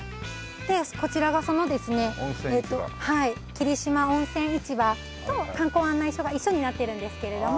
霧島温泉市場と観光案内所が一緒になってるんですけれども。